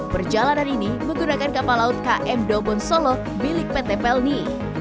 perjalanan ini menggunakan kapal laut km dobon solo milik pt pelni